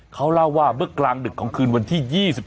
เขาเล่าว่าเมื่อกลางดึกของคืนวันที่๒๓